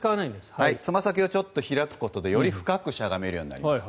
つま先をちょっと開くことでより深くしゃがめるようになります。